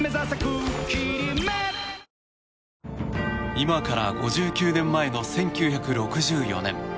今から５９年前の１９６４年。